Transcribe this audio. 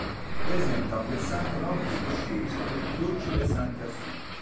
Presenta un versante nord scosceso ed un dolce versante a sud.